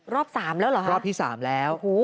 รอบที่๓แล้ว